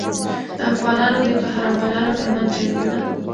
د افغانانو د قهرمانانو ترمنځ جنګونه.